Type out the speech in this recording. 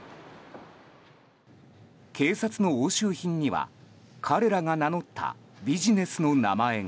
警察の押収品には、彼らが名乗ったビジネスの名前が。